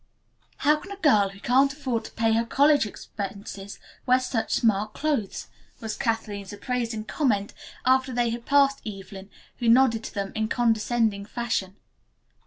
"How can a girl who can't afford to pay her college expenses wear such smart clothes?" was Kathleen's appraising comment after they had passed Evelyn, who nodded to them in condescending fashion.